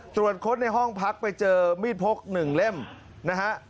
ตรวจค้นในห้องพักไปเจอมีดพก๑เล่มนะฮะ